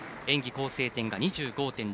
演技構成点が２５．６４。